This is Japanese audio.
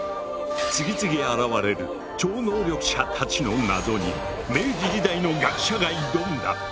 次々現れる超能力者たちの謎に明治時代の学者が挑んだ！